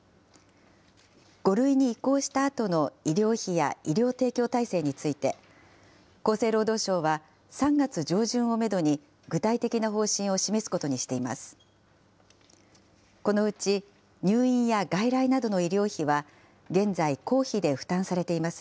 ５類に移行したあとの医療費や医療提供体制について、厚生労働省は、３月上旬をめどに具体的な方針を示すことにしています。